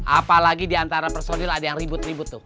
apalagi di antara personil ada yang ribut ribut tuh